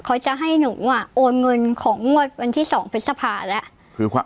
เขาจะให้หนูอ่ะโอนเงินของงวดวันที่๒พฤษภาแล้ว